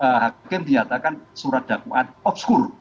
ternyata oleh hakim diatakan surat dakwaan off score